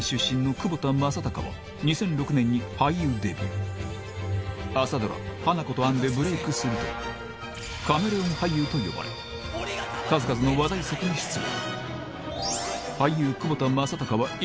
窪田正孝は朝ドラ『花子とアン』でブレークすると「カメレオン俳優」と呼ばれ数々の話題作に出演